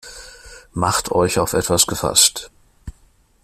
Macht euch auf etwas gefasst!